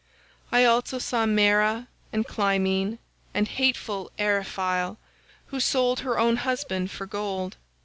"I also saw Maera and Clymene and hateful Eriphyle, who sold her own husband for gold.